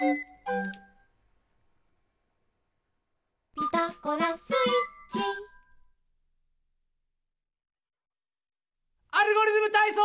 「ピタゴラスイッチ」「アルゴリズムたいそう」！